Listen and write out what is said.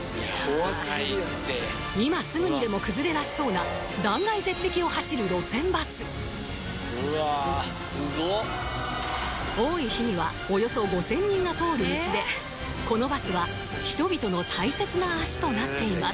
怖すぎるやろ今すぐにでも崩れだしそうな断崖絶壁を走る路線バス・うわすごっ多い日にはおよそ５０００人が通る道でこのバスは人々の大切な足となっています